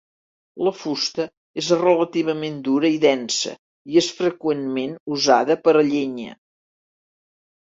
La fusta és relativament dura i densa, i és freqüentment usada per a llenya.